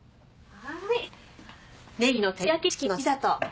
はい。